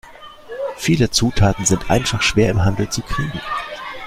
Viele Zutaten sind einfach schwer im Handel zu kriegen.